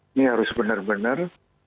ini harus benar benar